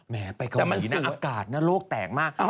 ไปเกาหลีนะอากาศนะโลกแตกมาก